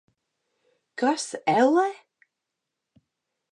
Kas, ellē?